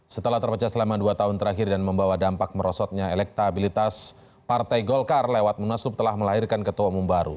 setelah terpecah selama dua tahun terakhir dan membawa dampak merosotnya elektabilitas partai golkar lewat munaslup telah melahirkan ketua umum baru